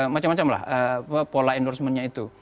macam macam lah pola endorsementnya itu